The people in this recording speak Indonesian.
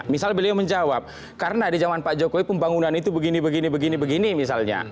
misal beliau menjawab karena di zaman pak jokowi pembangunan itu begini begini misalnya